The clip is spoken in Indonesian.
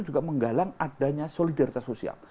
juga menggalang adanya solidaritas sosial